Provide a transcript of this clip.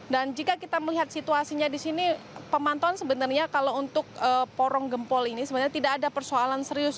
dan jika kita melihat situasinya di sini pemantauan sebenarnya kalau untuk porong gempol ini sebenarnya tidak ada persoalan serius